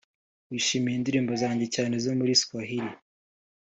bishimiye indirimbo zanjye cyane izo muri Swahili